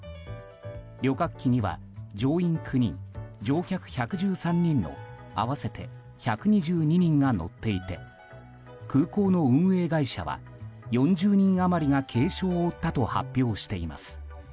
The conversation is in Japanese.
旅客機には乗員９人、乗客１１３人の合わせて１２２人が乗っていて空港の運営会社は４０人余りが軽傷を負ったと発表しています。